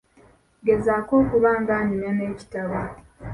Gezaako okuba ng'anyumya n'ekitabo.